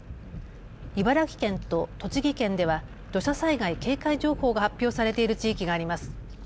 茨城県と栃木県では土砂災害警戒情報が発表されている地域があります。